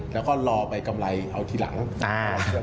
แล้วก็รอใบกำไรเอาทีหลัง